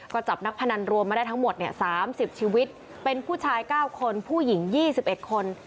ก็จับนักพนันรวมมาได้ทั้งหมด๓๐ชีวิตเป็นผู้ชาย๙คนผู้หญิง๒๑คน